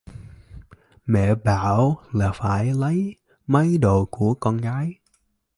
Mẹ bảo là phải lấy mấy đồ của con gái